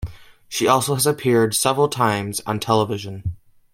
She has also appeared several times on television.